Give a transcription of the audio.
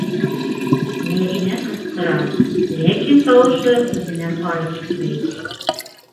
- Мәҙинә ҡысҡыра, ләкин тауышы үҙенән ары китмәй.